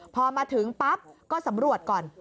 พอมาถึงปั๊บก็สำรวจก่อน